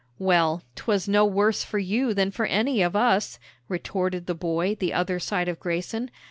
"Well, 'twas no worse for you than for any of us," retorted the boy the other side of Grayson.